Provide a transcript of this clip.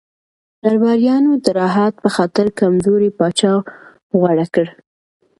درباریانو د راحت په خاطر کمزوری پاچا غوره کړ.